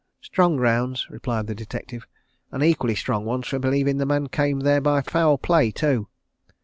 "Strong grounds!" replied the detective, "and equally strong ones for believing the man came there by foul play, too."